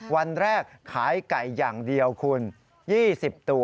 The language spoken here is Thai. วันแรกขายไก่อย่างเดียวคุณ๒๐ตัว